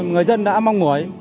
người dân đã mong muốn